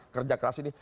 kerja keras ini